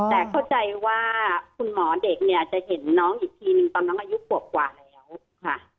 แต่เข้าใจว่าคุณหมอเด็กเนี่ยจะเห็นน้องอีกทีนึงตอนนั้นอายุขวบกว่าแล้วค่ะ